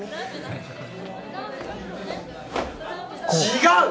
違う！